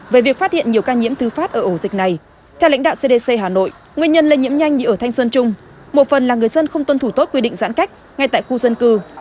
về việc phát hiện nhiều ca nhiễm thứ phát ở ổ dịch này theo lãnh đạo cdc hà nội nguyên nhân lây nhiễm nhanh như ở thanh xuân trung một phần là người dân không tuân thủ tốt quy định giãn cách ngay tại khu dân cư